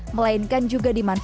melainkan juga dimanfaatkan